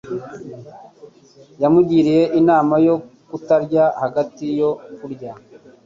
Yamugiriye inama yo kutarya hagati yo kurya